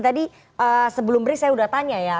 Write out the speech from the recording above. tadi sebelum beri saya sudah tanya ya